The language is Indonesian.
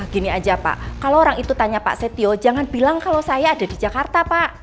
gini aja pak kalau orang itu tanya pak setio jangan bilang kalau saya ada di jakarta pak